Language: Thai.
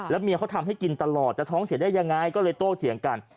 เมียเขาทำให้กินตลอดจะท้องเสียได้ยังไงก็เลยโต้เถียงกัน